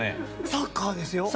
サッカーですよ。